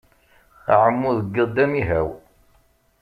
Aɛummu deg iḍ d amihaw.